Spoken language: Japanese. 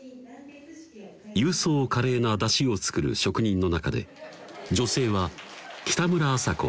勇壮華麗な山車を作る職人の中で女性は北村麻子